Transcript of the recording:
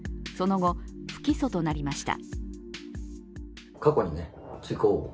その後、不起訴となりました。